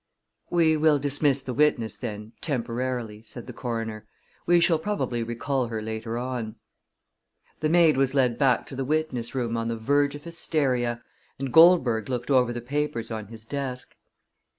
"We will dismiss the witness, then, temporarily," said the coroner. "We shall probably recall her later on." The maid was led back to the witness room on the verge of hysteria, and Goldberg looked over the papers on his desk.